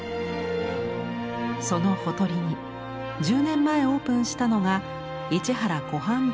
そのほとりに１０年前オープンしたのが市原湖畔美術館。